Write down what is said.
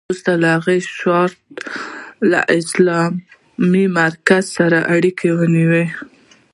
وروسته هغې د شارليټ له اسلامي مرکز سره اړیکه ونیوه